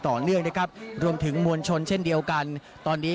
ต่อเนื่องนะครับรวมถึงมวลชนเช่นเดียวกันตอนนี้